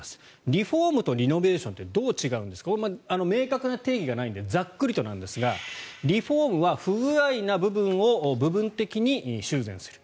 リフォームとリノベーションってどう違うんですか明確な定義がないのでざっくりとなんですがリフォームは不具合な部分を部分的に修繕する。